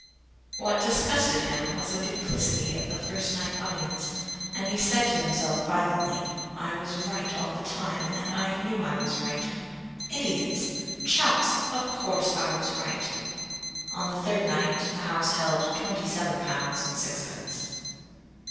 What disgusted him was the duplicity of the first night audience, and he said to himself violently: "I was right all the time, and I knew I was right! Idiots! Chumps! Of course I was right!" On the third night the house held twenty seven pounds and sixpence.